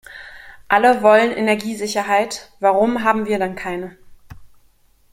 Alle wollen Energiesicherheit, warum haben wir dann keine?